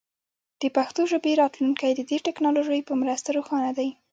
د پښتو ژبې راتلونکی د دې ټکنالوژۍ په مرسته روښانه دی.